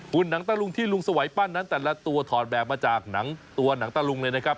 คุณหนังตะลุงที่ลุงสวัยปั้นนั้นแต่ละตัวถอดแบบมาจากหนังตัวหนังตะลุงเลยนะครับ